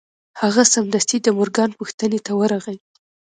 هغه سمدستي د مورګان پوښتنې ته ورغی